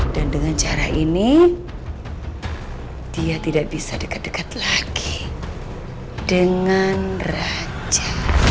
dan dengan cara ini dia tidak bisa dekat dekat lagi dengan raja